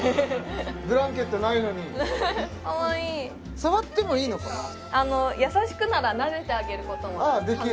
ブランケットないのに可愛い優しくならなでてあげることもああできる？